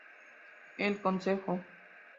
El Consejo".